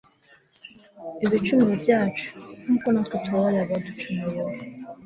ibicumuro byacu, nk'uko natwe tubabarira abaducumuyeho